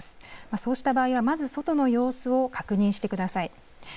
そうした場合は、まず外の様子を確認してください。